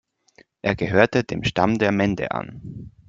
Er gehörte dem Stamm der Mende an.